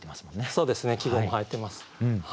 そうですね季語も入ってます。